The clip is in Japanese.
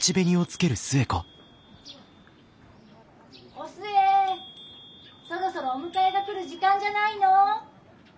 ・お寿恵そろそろお迎えが来る時間じゃないの？